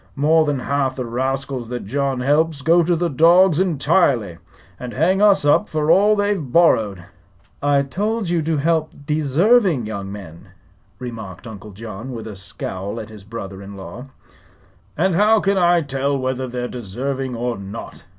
"More than half the rascals that John helps go to the dogs entirely, and hang us up for all they've borrowed." "I told you to help deserving young men," remarked Uncle John, with a scowl at his brother in law. "And how can I tell whether they're desarving or not?"